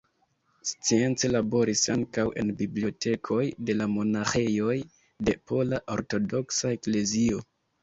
Science laboris ankaŭ en bibliotekoj de la monaĥejoj de Pola Ortodoksa Eklezio.